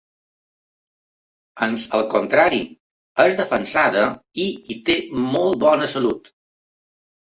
Ans al contrari, és defensada i hi té molt bona salut.